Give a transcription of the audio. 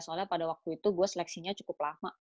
soalnya pada waktu itu gue seleksinya cukup lama